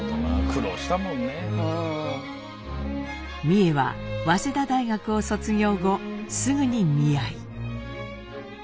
美惠は早稲田大学を卒業後すぐに見合い。